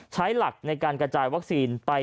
ใช้หลักในการกระจายวัคซีนไป